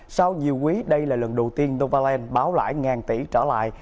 sau nhiều quý đây là lần đầu tiên novaland báo lại ngàn tỷ trở lại